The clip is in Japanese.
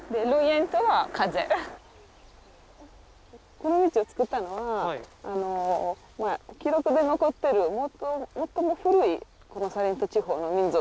この道を作ったのは記録で残っている最も古いこのサレント地方の民族です。